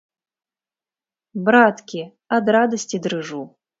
Браткі, ад радасці дрыжу.